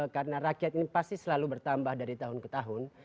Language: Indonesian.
karena rakyat ini pasti selalu bertambah dari tahun ke tahun